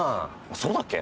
そうだっけ？